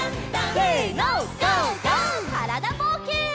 からだぼうけん。